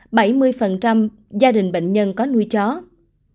bảy mươi gia đình có mối liên kết với andenovirus